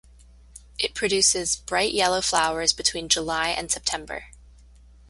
It produces bright yellow flowers between July and September.